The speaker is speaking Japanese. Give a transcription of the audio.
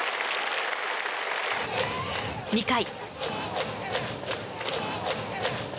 ２回。